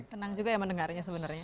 senang juga ya mendengarnya sebenarnya